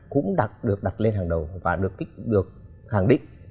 cũng được đặt lên hàng đầu và được khẳng định